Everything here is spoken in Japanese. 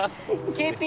ＫＰ？